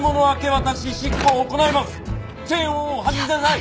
チェーンを外しなさい！